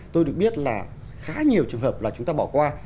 tôi được biết là khá nhiều trường hợp là chúng ta bỏ qua